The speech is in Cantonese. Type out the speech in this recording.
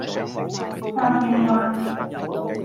筲箕灣